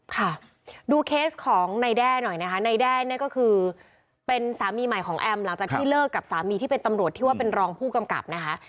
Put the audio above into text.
ค่ะดูเคสของนายแด้หน่อยนะคะนายแด้เนี่ยก็คือเป็นสามีใหม่ของแอมหลังจากที่เลิกกับสามีที่เป็นตำรวจที่ว่าเป็นรองผู้กำกับนะคะ